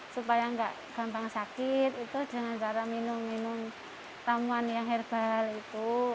supaya nggak gampang sakit itu dengan cara minum minum tamuan yang herbal itu